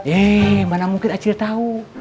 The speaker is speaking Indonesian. eh mana mungkin acil tahu